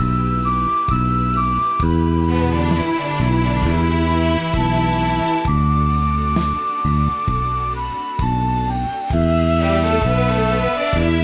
เอิ้นทิศ